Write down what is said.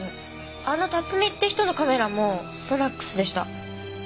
あの辰巳って人のカメラもＳＯＮＡＣＳでした。